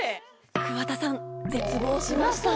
桑田さん、絶望しました。